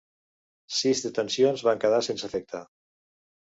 Sis detencions van quedar sense efecte.